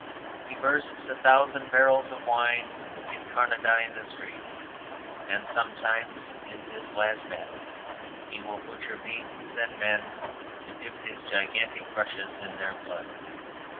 He bursts a thousand barrels of wine to incarnadine the streets; and sometimes (in his last madness) he will butcher beasts and men to dip his gigantic brushes in their blood.